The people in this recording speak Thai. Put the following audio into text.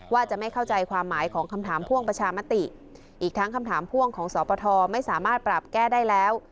ว่าจะไม่เข้าใจความหมายของคำถามพ่วงประชามติอีกทั้งคำถามพ่วงของสปทไม่สามารถปรับแก้ได้แล้ว